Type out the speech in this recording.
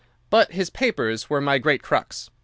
But his papers were my great crux.